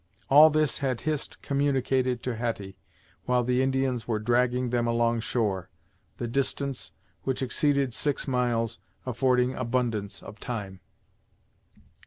All this had Hist communicated to Hetty while the Indians were dragging them along shore, the distance, which exceeded six miles, affording abundance of time.